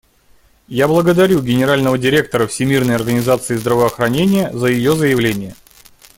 Я благодарю Генерального директора Всемирной организации здравоохранения за ее заявление.